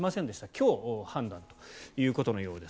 今日判断ということのようです。